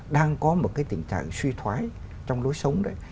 đang có một cái tình trạng suy thoái trong lối sống đấy